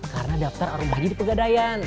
karena daftar arun bahaji di pegadaian